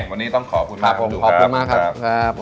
วันนี้ต้องขอบคุณมากคุณหนู